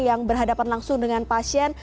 yang berhadapan langsung dengan pasien